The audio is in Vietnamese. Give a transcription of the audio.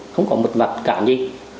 không có một vật cản gì